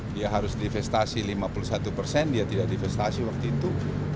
dia harus divestasi lima puluh satu persen dia tidak divestasi waktu itu